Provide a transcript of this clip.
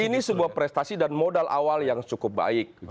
ini sebuah prestasi dan modal awal yang cukup baik